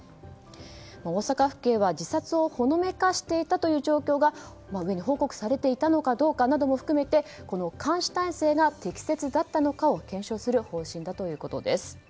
大阪府警は自殺をほのめかしていたという状況が上に報告されていたことも含めて監視体制が適切だったのかを検証する方針だということです。